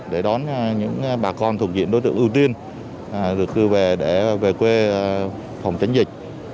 để đón những bà con thuộc diện đối tượng ưu tiên được cư về quê phòng tránh dịch